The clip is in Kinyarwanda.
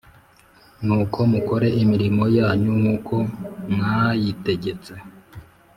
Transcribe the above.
nuko mukore imirimo yanyu nkuko mwayitegets